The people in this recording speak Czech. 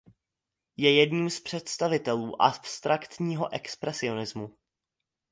Je jedním z představitelů abstraktního expresionismu.